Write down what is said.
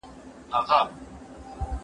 کمپيوټر فريلانس کار ورکوي.